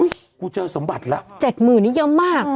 อุ้ยกูเจอสมบัติแล้ว๗๐๐๐๐นี่เยอะมาก